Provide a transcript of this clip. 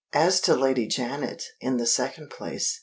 As to Lady Janet, in the second place.